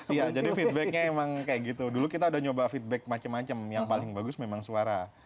iya jadi feedbacknya emang kayak gitu dulu kita udah nyoba feedback macam macam yang paling bagus memang suara